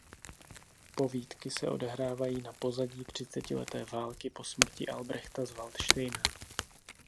Povídky se odehrávají na pozadí třicetileté války po smrti Albrechta z Valdštejna.